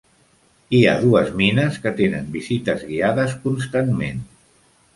Hi ha dues mines que tenen visites guiades constantment.